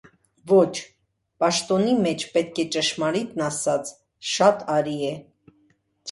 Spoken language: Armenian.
- Ոչ, պաշտոնի մեջ, պետք է ճշմարիտն ասած, շատ արի է: